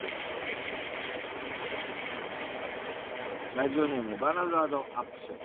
「ラジオネームバナザードアップショー。